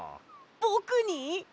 ぼくに？